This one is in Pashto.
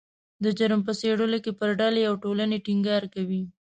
د جرم په څیړلو کې پر ډلې او ټولنې ټینګار کوي